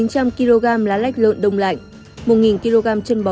có một chín trăm linh kg lá lách lợn đông lạnh